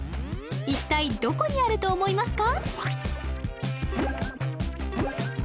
一体どこにあると思いますか？